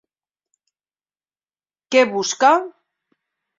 Què busca?